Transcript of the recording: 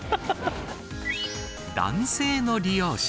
男性の利用者。